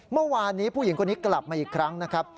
เมื่อวานนี้ผู้หญิงคนนี้กลับมาอีกครั้งนะครับ